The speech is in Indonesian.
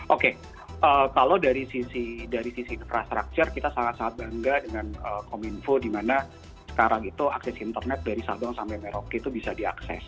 oke kalau dari sisi infrastruktur kita sangat sangat bangga dengan kominfo dimana sekarang itu akses internet dari sabang sampai merauke itu bisa diakses